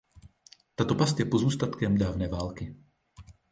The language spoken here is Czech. Tato past je pozůstatkem dávné války.